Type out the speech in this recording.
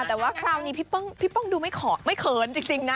แต่ว่าคราวนี้พี่ป้องดูไม่เขินจริงนะ